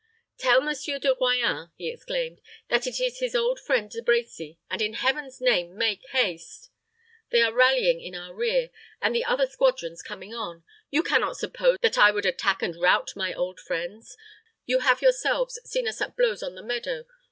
"Tell Monsieur De Royans," he exclaimed, "that it is his old friend De Brecy; and in Heaven's name make haste! They are rallying in our rear, and the other squadrons coming on. You can not suppose that I would attack and rout my own friends. You have yourselves seen us at blows on the meadow.